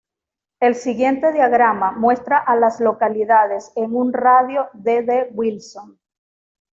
El siguiente diagrama muestra a las localidades en un radio de de Wilson.